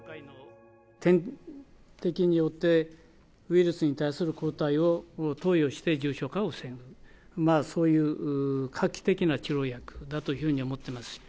点滴によって、ウイルスに対する抗体を投与して重症化を防ぐ、そういう画期的な治療薬だというふうに思ってます。